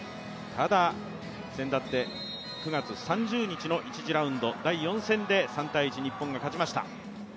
ただ、先だって９月３０日の１次ラウンド第４戦で３−１、日本が勝ちました。